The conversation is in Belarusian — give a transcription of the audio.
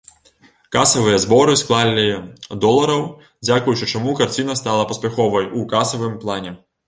Касавыя зборы склалі долараў, дзякуючы чаму карціна стала паспяховай ў касавым плане.